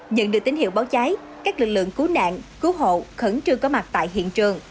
nhận được tín hiệu báo cháy các lực lượng cứu nạn cứu hộ khẩn trương có mặt tại hiện trường